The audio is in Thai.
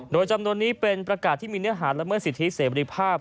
โดยจำนวนนี้เป็นประกาศที่มีเนื้อหาละเมิดสิทธิเสรีภาพ